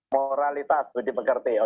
moralitas jadi berkerti